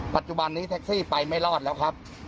ปัจจุบันนี้แท็กซี่ไปไม่รอดแล้วครับ